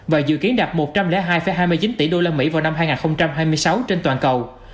và dự kiến đạt một trăm linh hai hai mươi chín tỷ usd vào năm hai nghìn hai mươi sáu trên toàn cầu